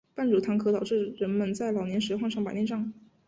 半乳糖可导致人们在老年时患上白内障。